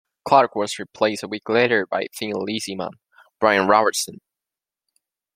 Clarke was replaced a week later by Thin Lizzy man, Brian Robertson.